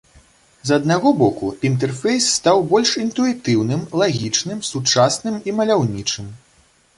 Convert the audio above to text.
З аднаго боку, інтэрфейс стаў больш інтуітыўным, лагічным, сучасным і маляўнічым.